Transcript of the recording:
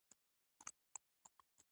خواړه خوندور دې